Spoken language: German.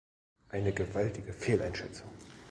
Eine gewaltige Fehleinschätzung!